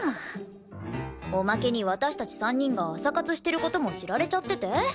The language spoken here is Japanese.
おまけに私たち３人が朝活してる事も知られちゃってて。